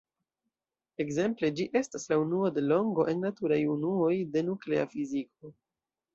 Ekzemple, ĝi estas la unuo de longo en naturaj unuoj de nuklea fiziko.